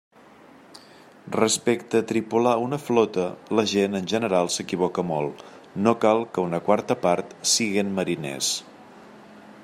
Respecte a tripular una flota, la gent en general s'equivoca molt; no cal que una quarta part siguen mariners.